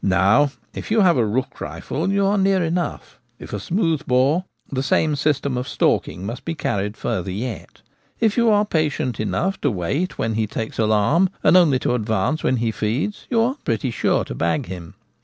Now, if you have a rook rifle you are near enough ; if a smooth bore, the same system of stalking must be carried farther yet. If you are patient enough to wait when he takes alarm, and only to advance when he feeds, you are pretty sure to ' bag ' him.